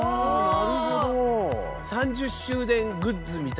なるほど。